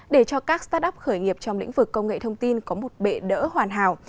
để cho các start up khởi nghiệp trong lĩnh vực công nghệ thông tin có một bệ đỡ hoàn hảo